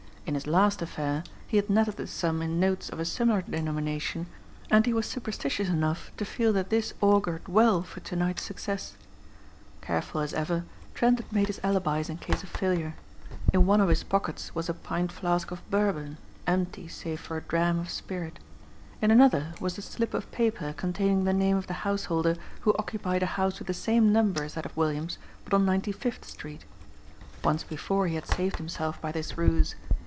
In his last affair he had netted this sum in notes of a similar denomination and he was superstitious enough to feel that this augured well for to night's success. Careful as ever, Trent had made his alibis in case of failure. In one of his pockets was a pint flask of Bourbon, empty save for a dram of spirit. In another was a slip of paper containing the name of the house holder who occupied a house with the same number as that of Williams, but on Ninety fifth Street. Once before he had saved himself by this ruse.